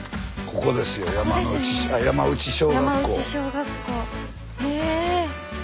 ここですね山内小学校。へ！